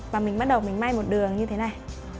và mình bắt đầu mình may một đường như thế này